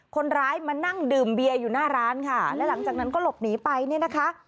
คนร้ายมานั่งดื่มเบียร์อยู่หน้าร้านค่ะแล้วหลังจากนั้นก็หลบหนีไปเนี่ยนะคะ